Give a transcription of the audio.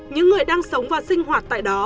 những người đang sống và sinh hoạt tại đó